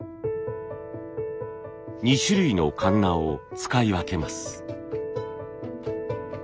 ２種類のカンナを使い分けます。